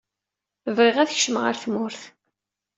Bɣiɣ ad kecmaɣ ɣer tmurt.